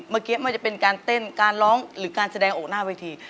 เมื่อกี้ไม่จะเป็นการเต้นการร้องหรือการแสดงออกหน้าเวที